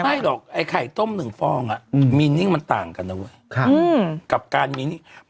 ไม่หรอกไข่ต้มหนึ่งฟองมีนิ่งมันต่างกันนะกับการมีนิ่ง